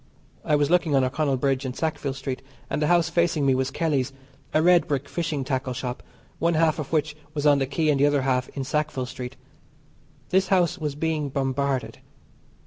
I was looking on O'Connell Bridge and Sackville Street, and the house facing me was Kelly's a red brick fishing tackle shop, one half of which was on the Quay and the other half in Sackville Street. This house was being bombarded.